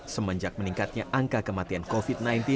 semenjak meningkatnya angka kematian covid sembilan belas